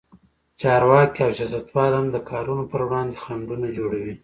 چارواکي او سیاستوال هم د کارونو پر وړاندې خنډونه جوړوي.